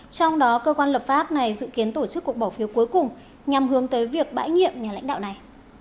trong đó cơ quan lập pháp này dự kiến tổ chức cuộc bỏ phiếu cuối cùng nhằm hướng tới việc bãi nhiệm nhà lãnh đạo này